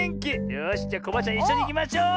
よしじゃあコバアちゃんいっしょにいきましょう！